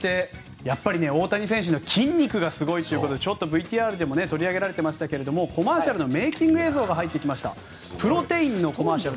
やっぱり大谷選手の筋肉がすごいということで、ＶＴＲでも取り上げられてましたがコマーシャルのメイキング映像が入ってきました。